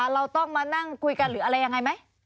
เราต้องมานั่งคุยกันหรืออะไรยังไงไหม